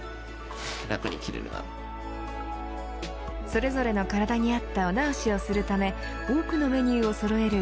それぞれの体に合ったお直しをするため多くのメニューをそろえる